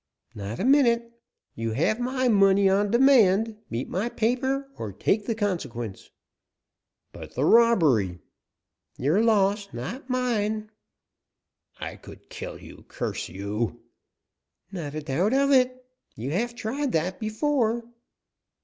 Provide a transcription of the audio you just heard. "Not a minute. You have my money on demand; meet my paper or take the consequence." "But, the robbery." "Your loss, not mine." "I could kill you, curse you!" "Not a doubt of it; you have tried that before."